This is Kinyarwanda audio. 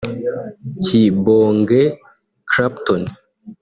Kibonge Clapton